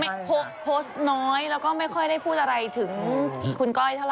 โพสต์โพสต์น้อยแล้วก็ไม่ค่อยได้พูดอะไรถึงคุณก้อยเท่าไ